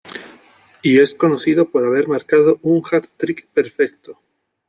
Y es conocido por haber marcado un hat-trick perfecto